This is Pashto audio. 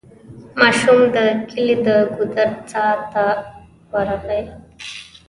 ماشوم د کلي د ګودر څا ته ورغی.